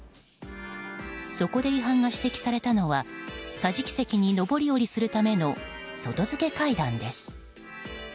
そこで違反が指摘されたのが桟敷席に上り下りするための外付け階段です。